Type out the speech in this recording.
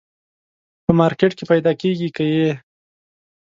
په مارکېټ کي پیدا کېږي که یه ؟